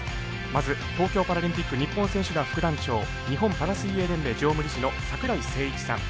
まず、東京パラリンピック日本選手団副団長日本パラ水泳連盟常務理事の櫻井誠一さん。